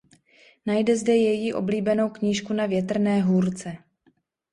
Najde zde její oblíbenou knížku "Na větrné hůrce".